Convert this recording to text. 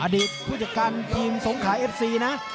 ผู้จัดการทีมสงขาเอฟซีนะ